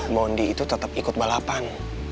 mondi itu tetap ikut balapan